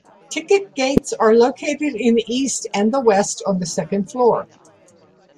Ticket gates are located in the east and the west on the second floor.